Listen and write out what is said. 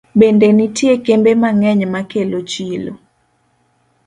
Bende nitie kembe mang'eny ma kelo chilo.